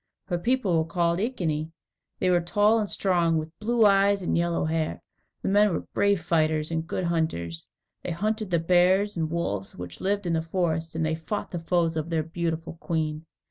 Her people were called Iceni. They were tall and strong, with blue eyes and yellow hair. The men were brave fighters and good hunters. They hunted the bears and wolves which lived in the forests, and they fought the foes of their beautiful queen.